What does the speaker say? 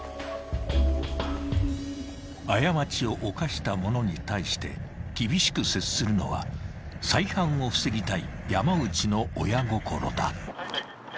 ［過ちを犯した者に対して厳しく接するのは再犯を防ぎたい山内の親心だ］